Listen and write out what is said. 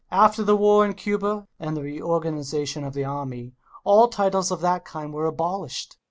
After the war in Cuba and the reorganisation of the army, all titles of that kind were abolished.